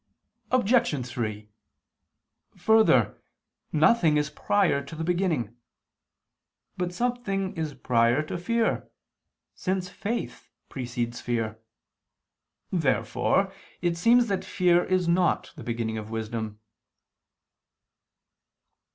Obj. 3: Further, nothing is prior to the beginning. But something is prior to fear, since faith precedes fear. Therefore it seems that fear is not the beginning of wisdom.